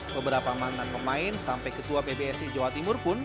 beberapa mantan pemain sampai ketua pbsi jawa timur pun